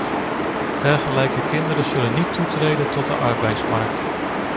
Dergelijke kinderen zullen niet toetreden tot de arbeidsmarkt.